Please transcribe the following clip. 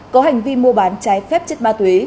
có hành vi mua bán trái phép chất ma túy